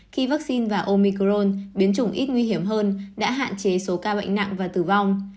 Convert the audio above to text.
khi vaccine và omicron biến chủng ít nguy hiểm hơn đã hạn chế số ca bệnh nặng và tử vong